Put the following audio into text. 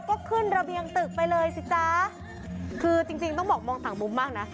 ก็ขึ้นระเบียงตึกไปเลยสิจ๊ะคือจริงจริงต้องบอกมองต่างมุมมากนะ